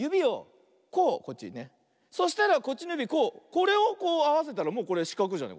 これをこうあわせたらもうこれしかくじゃない？